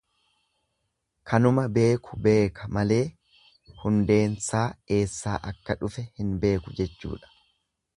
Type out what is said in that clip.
Kanuma beeku beeka malee hundeensaa eessaa akka dhufe hin beeku jechuudha.